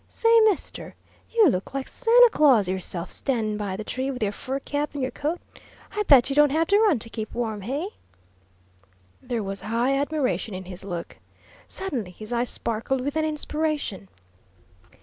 "Say, mister, you look like Santa Claus yourself, standin' by the tree, with your fur cap and your coat. I bet you don't have to run to keep warm, hey?" There was high admiration in his look. Suddenly his eyes sparkled with an inspiration.